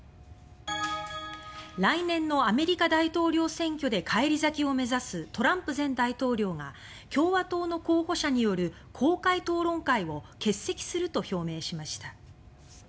来年のアメリカ大統領選挙で返り咲きを目指すトランプ前大統領が共和党の候補者による公開討論会に欠席すると表明しました。